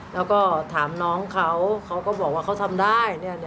แล้วก็ถามน้องเขาเขาก็บอกว่าเขาทำได้